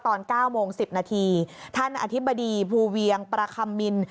ตอน๙โมง๑๐นาทีท่านอธิบดีภูเวียงประคัมมิน